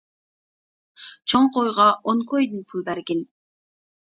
چوڭ قويغا ئون كويدىن پۇل بەرگەن.